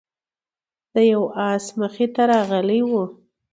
د یو آس مخې ته راغلی و،